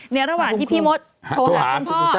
ระหว่างที่พี่มดโทรหาคุณพ่อ